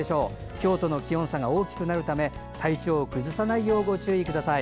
今日との気温の差が大きくなるため体調を崩さないようにご注意ください。